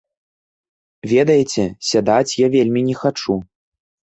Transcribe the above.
Ведаеце, сядаць я вельмі не хачу.